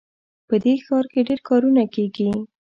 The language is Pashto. په دې ښار کې ډېر کارونه کیږي